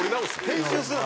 編集すな。